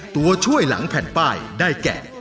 ตัวช่วยหลังแผ่นป้ายได้แก่